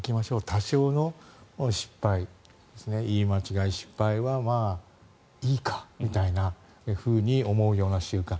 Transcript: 多少の失敗、言い間違い、失敗はいいかみたいなふうに思う習慣